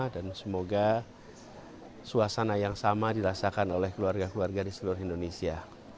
semoga suasana yang sama dirasakan oleh keluarga keluarga di seluruh indonesia